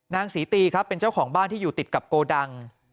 นางศรีตีครับเป็นเจ้าของบ้านที่อยู่ติดกับโกดัง